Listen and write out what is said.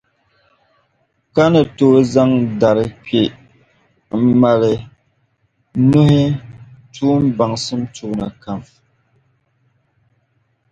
ka ni tooi zaŋ dari kpe m-mali nuhi tuumbaŋsim tuuni kam.